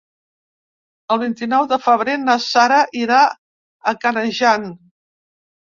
El vint-i-nou de febrer na Sara irà a Canejan.